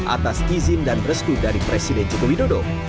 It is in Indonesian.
atas izin dan restu dari presiden jokowi dodo